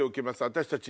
私たち